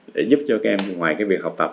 để giúp cho các em ngoài cái việc học tập